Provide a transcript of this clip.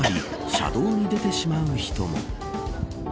車道に出てしまう人も。